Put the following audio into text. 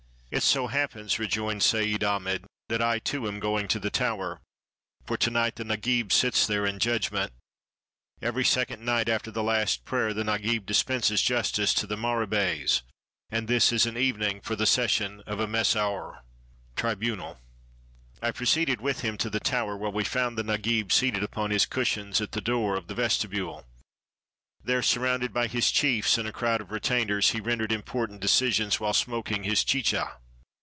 "It so happens," rejoined Seid Ahmed, "that I, too, am going to the Tower; for to night the Nagib sits there in judgment. Every second night after the last prayer, the Nagib dispenses justice to the Marebeys, and this is an evening for the session of a messhouar" [tribunal]. I proceeded with him to the Tower, where we found the Nagib seated upon his cushions at the door of the vestibule. There, surrounded by his chiefs and a crowd of retainers, he rendered important decisions while smoking his chicha.